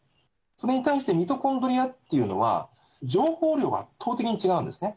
それに対して、ミトコンドリアっていうのは、情報量が圧倒的に違うんですね。